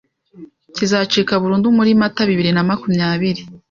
kizacika burundu muri Mata bibiri na makumyabiri